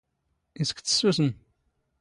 ⵉⵙ ⴽ ⵜⵙⵙⵓⵙⵎ?